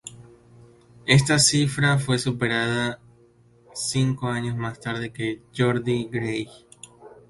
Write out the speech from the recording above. Esta cifra fue superada cinco años más tarde por Geordie Greig.